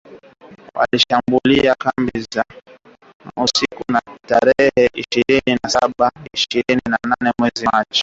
walishambulia kambi za jeshi Tchanzu na Runyonyi usiku wa tarehe ishirini na saba na ishirini na nane mwezi Machi